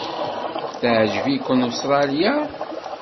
Teɛjeb-iken Ustṛalya?